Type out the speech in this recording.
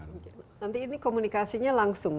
nanti ini komunikasinya langsung